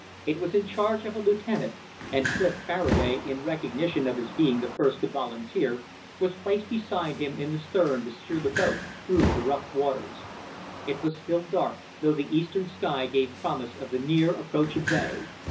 It was in charge of a lieutenant, and Clif Faraday, in recognition of his being the first to volunteer, was placed beside him in the stern to steer the boat through the rough waters. It was still dark, though the eastern sky gave promise of the near approach of day.